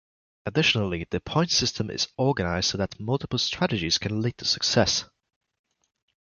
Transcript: Additionally, the points system is organized so that multiple strategies can lead to success.